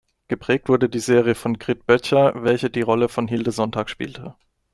Geprägt wurde die Serie von Grit Boettcher, welche die Rolle von Hilde Sonntag spielte.